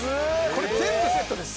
これ全部セットです。